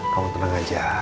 kamu tenang aja